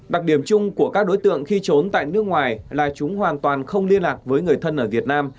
đặc điểm chung của các đối tượng khi trốn tại nước ngoài là chúng hoàn toàn không liên lạc với người thân ở việt nam